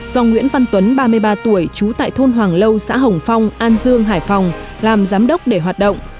do nguyễn văn tuấn ba mươi ba tuổi trú tại thôn hoàng lâu xã hồng phong an dương hải phòng làm giám đốc để hoạt động